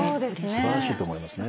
素晴らしいと思いますね。